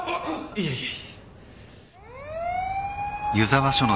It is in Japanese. いえいえ。